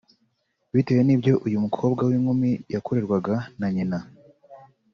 bitewe n’ibyo uyu mukobwa w’inkumi yakorerwaga na Nyina